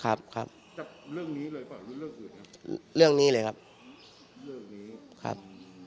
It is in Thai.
ครับครับเรื่องนี้เลยเปล่าหรือเรื่องอื่นครับเรื่องนี้เลยครับเรื่องนี้ครับ